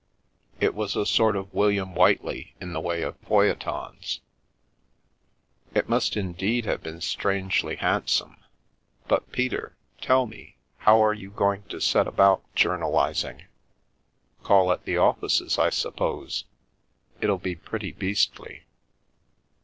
It was a sort of William Whiteley in the way of feuille tons." " It must indeed have been strangely handsome. But, Peter, tell me — how are you going to set about journal ising? " Call at all the offices, I suppose. It'll be pretty beastly."